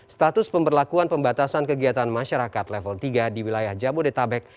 status pemberlakuan pembatasan kegiatan masyarakat level tiga di wilayah jabodetabek